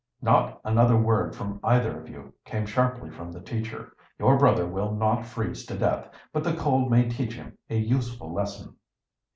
"Not another word from either of you," came sharply from the teacher. "Your brother will not freeze to death, but the cold may teach him a useful lesson."